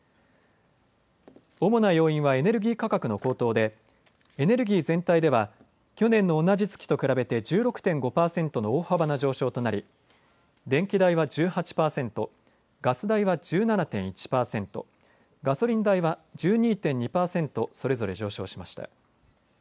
主な要因はエネルギー価格の高騰で、エネルギー全体では去年の同じ月と比べて１６．５％の大幅な上昇となり電気代は１８％、ガス代は１７．１％、ガソリン代は１２．２％それぞれ上昇しました。